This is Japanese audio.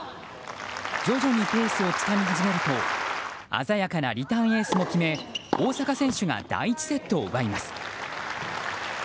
徐々にペースをつかみ始めると鮮やかなリターンエースも決め大坂選手が第１セットを奪います。